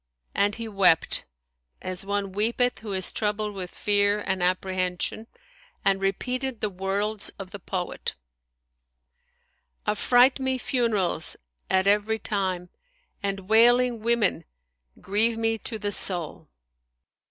"[FN#159] and he wept as one weepeth who is troubled with fear and apprehension, and repeated the worlds of the poet, "Affright me funerals at every time; * And wailing women grieve me to the soul!"